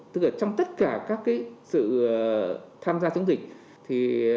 tức là trong tất cả các sự tham gia chống dịch